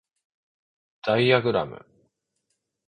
ダイアグラム